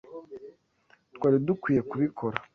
Twari dukwiye kubikora.